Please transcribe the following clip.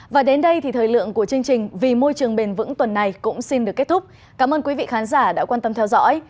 và đến đây thì thời lượng của chương trình vì môi trường bền vững tuần này cũng xin được kết thúc cảm ơn quý vị khán giả đã quan tâm theo dõi